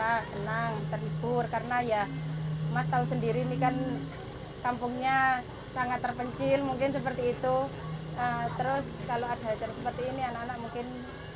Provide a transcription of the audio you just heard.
anak anak mungkin sangat terbantu untuk agar kegiatan